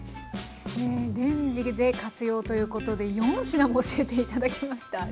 レンジで活用ということで４品も教えて頂きました。